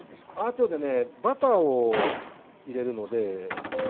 後でねバターを入れるので。